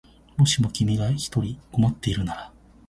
もしも君が一人困ってるなら